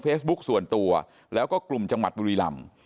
ส่วนตัวแล้วก็กลุ่มจังหวัดบุรีลำ